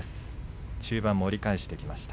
中盤盛り返してきました。